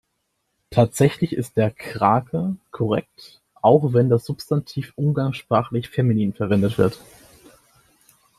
Tatsächlich ist "der Krake" korrekt, auch wenn das Substantiv umgangssprachlich feminin verwendet wird.